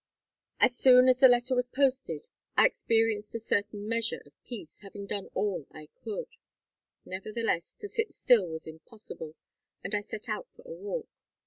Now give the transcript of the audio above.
"As soon as the letter was posted I experienced a certain measure of peace, having done all I could. Nevertheless, to sit still was impossible, and I set out for a walk.